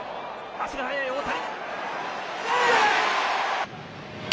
足が速い大谷。